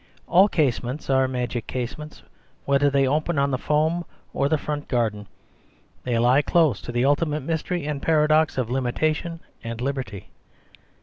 All casements are magic case ments, whether they open on the foam or the front garden; they lie close to the ultimate mystery and paradox of limitation and li berty.